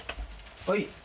はい。